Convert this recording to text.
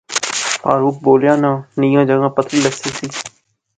فاروق بولیا ناں نیاں جاغا پتلی لسی سہی